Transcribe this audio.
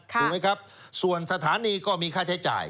ถูกไหมครับส่วนสถานีก็มีค่าใช้จ่าย